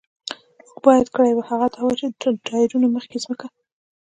موږ باید کړي وای، هغه دا و، چې د ټایرونو مخکې ځمکه.